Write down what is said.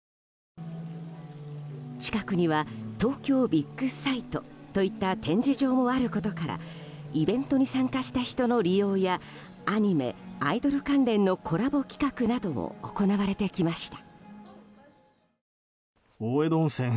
近くには東京ビッグサイトといった展示場もあることからイベントに参加した人の利用やアニメ、アイドル関連のコラボ企画なども行われてきました。